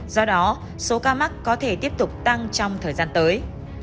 do đó số ca mắc có thể tiếp tục tăng trong thời gian tới